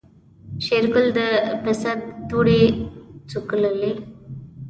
شېرګل د پسه دوړې سکوللې.